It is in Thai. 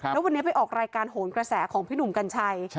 แล้ววันนี้ไปออกรายการโหนกระแสของพี่หนุ่มกัญชัย